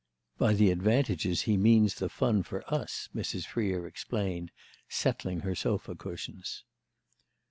"By the advantages he means the fun for us," Mrs. Freer explained, settling her sofa cushions.